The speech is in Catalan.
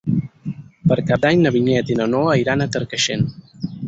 Per Cap d'Any na Vinyet i na Noa iran a Carcaixent.